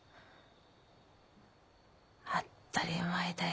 当ったり前だよ。